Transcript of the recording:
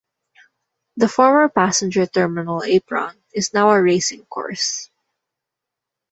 The former passenger terminal apron is now a racing course.